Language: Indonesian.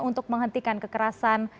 untuk menghentikan kekerasan